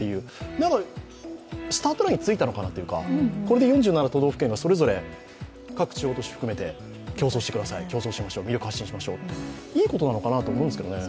なんか、スタートラインについたのかなというかこれで４７都道府県がそれぞれ各都市含めて、競争しましょう魅力を発信しましょう、いいことなのかなと思うんですけどね。